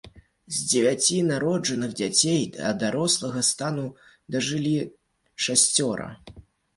З дзевяці народжаных дзяцей да дарослага стану дажылі шасцёра.